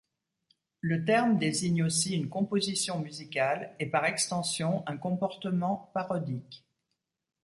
Le terme désigne aussi une composition musicale et par extension un comportement parodique.